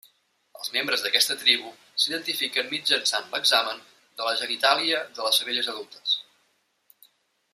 Els membres d'aquesta tribu s'identifiquen mitjançant l'examen de la genitàlia de les femelles adultes.